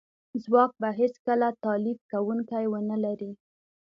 ځواک به هیڅکله خپل تالیف کونکی ونه لري